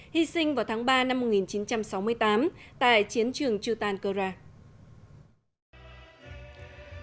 hy sinh vào tháng ba năm một nghìn chín trăm sáu mươi tám tại chiến trường chư tan cơ ra